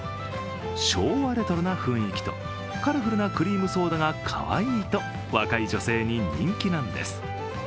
昭和レトロな雰囲気とカラフルなクリームソーダがかわいいと若い女性に人気なんです。